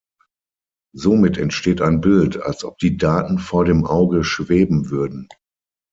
Somit entsteht ein Bild, als ob die Daten vor dem Auge schweben würden.